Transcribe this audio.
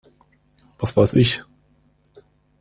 Was weiß ich!